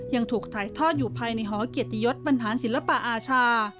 ยังถูกถ่ายทอดอยู่ภายในหอเกียรติยศบรรหารศิลปอาชา